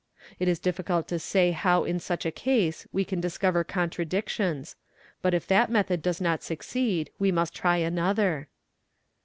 — It is difficult to say how in such a case we can discover contradictions ; but if that method does not succeed we must try another.